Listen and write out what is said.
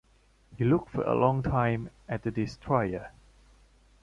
He looked for a long time at the destroyer.